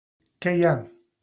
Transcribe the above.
Què hi ha?